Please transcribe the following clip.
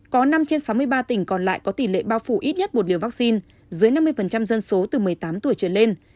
có năm trên sáu mươi ba tỉnh còn lại có tỷ lệ bao phủ ít nhất một liều vaccine dưới năm mươi dân số từ một mươi tám tuổi trở lên